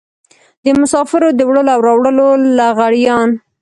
د مسافرو د وړلو او راوړلو لغړيان.